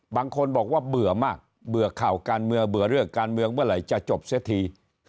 บางคนบอกว่าเบื่อมากเบื่อข่าวการเมืองเบื่อเรื่องการเมืองเมื่อไหร่จะจบเสียที